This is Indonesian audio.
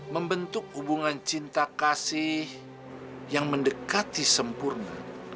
membentuk hubungan cinta kasih yang mendekati sempurna